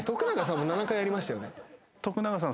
徳永さん